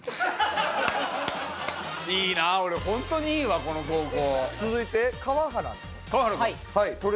いいなぁ俺ホントにいいわこの高校。